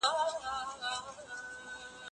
ایا پوهنتون د استادانو دندې ټاکلي دي؟